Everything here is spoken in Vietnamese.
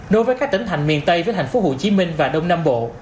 đối với các tỉnh thành miền tây với thành phố hồ chí minh và đông nam bộ